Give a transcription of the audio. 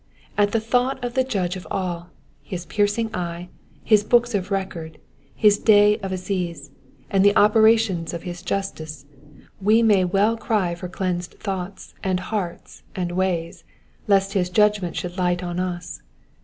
At the thought of the Judge of all, — his piercing eye, his books of record, his day of assize, and the operations of his justice, — we may well cry for cleansed thoughts, and hearts, and ways, lest his judgments should light on us.